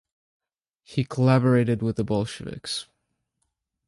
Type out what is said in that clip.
He collaborated with the Bolsheviks.